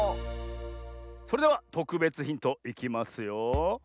それではとくべつヒントいきますよ。